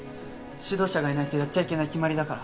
指導者がいないとやっちゃいけない決まりだから。